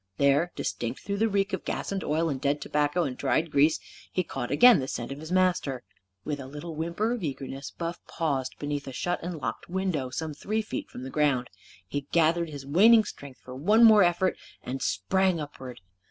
There, distinct through the reek of gas and oil and dead tobacco and dried grease, he caught again the scent of his master. With a little whimper of eagerness, Buff paused beneath a shut and locked window, some three feet from the ground. He gathered his waning strength for one more effort, and sprang upward.